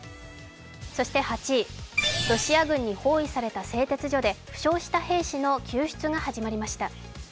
８位、ロシア軍に包囲された製鉄所で負傷した兵士の救出が始まりました。